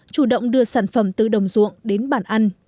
chủ động đưa sản phẩm từ đồng ruộng đến bàn ăn